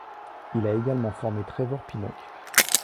Il a également formé Trevor Pinnock.